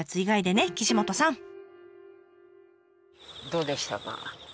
どうでしたか？